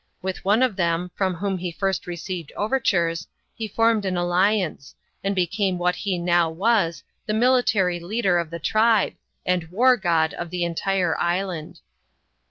With one of them, from whom he first received overtures, he formed an alliance, and became what he now was, the military leader of the tribe, and war god of the entire island.